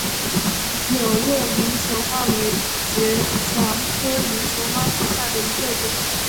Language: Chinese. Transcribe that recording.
柳叶鳞球花为爵床科鳞球花属下的一个种。